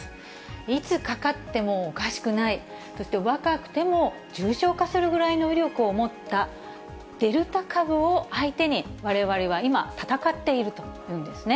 いつかかってもおかしくない、そして若くても重症化するぐらいの威力を持ったデルタ株を相手に、われわれは今、闘っているというんですね。